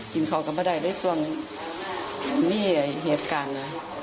หากนั้นก็ไม่ได้ส่วนมีเหตุการณ์